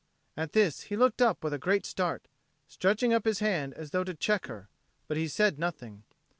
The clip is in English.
At this he looked up with a great start, stretching up his hand as though to check her; but he said nothing.